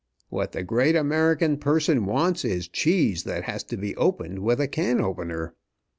What the great American person wants is cheese that has to be opened with a can opener.